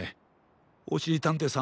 おしりたんていさん